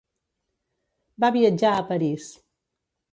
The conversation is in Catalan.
Va viatjar a París.